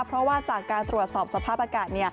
เพราะว่าจากการตรวจสอบสภาพอากาศ